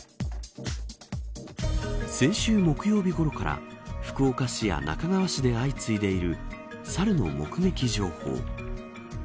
先週木曜日ごろから福岡市や那珂川市で相次いでいる猿の目撃情報。